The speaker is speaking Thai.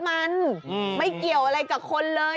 มันไม่เกี่ยวอะไรกับคนเลย